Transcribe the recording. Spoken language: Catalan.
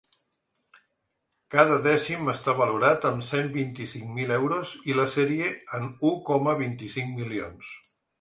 Cada dècim està valorat amb cent vint-i-cinc mil euros i la sèrie en u coma vint-i-cinc milions.